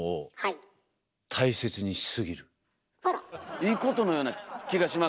いいことのような気がしますけど。